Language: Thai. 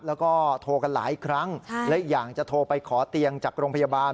แล้วก็โทรกันหลายครั้งและอีกอย่างจะโทรไปขอเตียงจากโรงพยาบาล